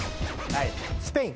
スペイン。